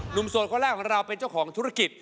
หนุ่มโสดข้อแรกของเราเป็นเจ้าของธุรกิจ